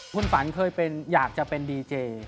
คุณฝันเคยเป็นอยากจะเป็นดีเจ